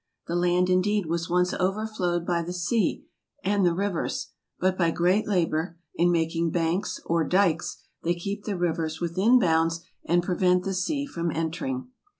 The land indeed was once overflowed by the sea, and the rivers; but by great labour, in making banks or dykes, they keep the rivers within bounds, and prevent the sea from entering.